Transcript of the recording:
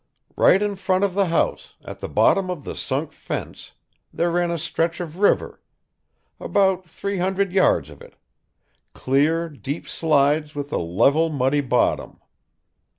Right in front of the house at the bottom of the sunk fence, there ran a stretch of river, about three hundred yards of it, clear deep slides with a level muddy bottom.